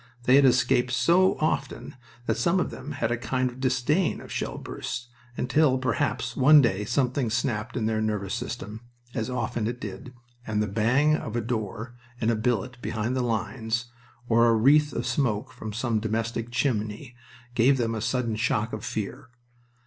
They had escaped so often that some of them had a kind of disdain of shell bursts, until, perhaps, one day something snapped in their nervous system, as often it did, and the bang of a door in a billet behind the lines, or a wreath of smoke from some domestic chimney, gave them a sudden shock of fear.